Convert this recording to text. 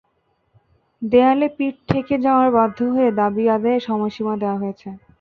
দেয়ালে পিঠ ঠেকে যাওয়ায় বাধ্য হয়ে দাবি আদায়ে সময়সীমা দেওয়া হয়েছে।